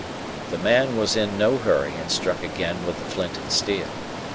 The man was in no hurry, and struck again with the flint and steel.